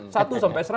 satu sampai seratus